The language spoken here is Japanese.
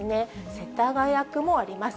世田谷区もあります。